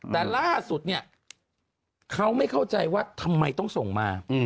แต่ล่าสุดเนี่ยเขาไม่เข้าใจว่าทำไมต้องส่งมา